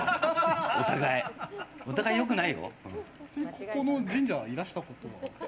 ここの神社はいらしたことは？